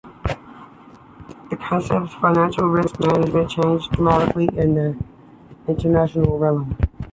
The concepts of financial risk management change dramatically in the international realm.